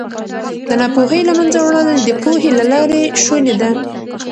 د ناپوهۍ له منځه وړل د پوهې له لارې شوني دي.